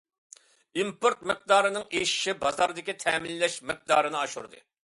ئىمپورت مىقدارىنىڭ ئېشىشى بازاردىكى تەمىنلەش مىقدارىنى ئاشۇردى.